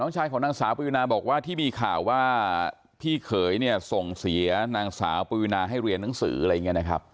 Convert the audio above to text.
ชายของนางสาวปริวนาบอกว่าที่มีข่าวว่าพี่เขยเนี่ยส่งเสียนางสาวปวีนาให้เรียนหนังสืออะไรอย่างนี้นะครับ